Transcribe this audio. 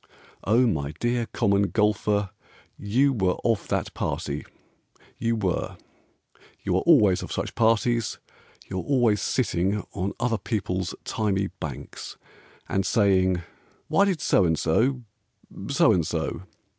O, my dear Common Golfer, You were of that party; You were; You are always of such parties, You are always sitting On other people's thymy banks, And saying, "Why did So and so so and so?"